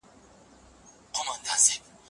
سر تر نوکه زنګېده له مرغلرو